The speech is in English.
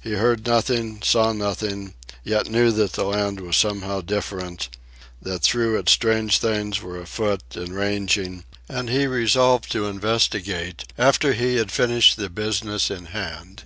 He heard nothing, saw nothing, yet knew that the land was somehow different; that through it strange things were afoot and ranging; and he resolved to investigate after he had finished the business in hand.